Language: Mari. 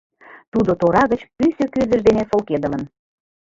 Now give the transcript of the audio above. Тудо тора гыч пӱсӧ кӱзыж дене солкедылын.